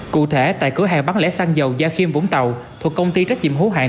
cụ thể tại cửa hàng bán lẻ xăng dầu gia khiêm vũng tàu thuộc công ty trách nhiệm hữu hạng